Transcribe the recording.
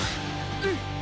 うん！